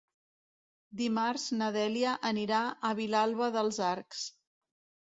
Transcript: Dimarts na Dèlia anirà a Vilalba dels Arcs.